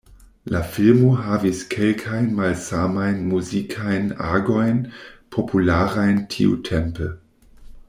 La filmo havis kelkajn malsamajn muzikajn agojn popularajn tiutempe.